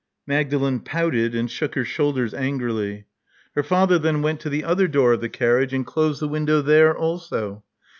Mag dalen pouted, and shook her shoulders angrily. Her father then went to the other door of the carriage, and closed the window there also.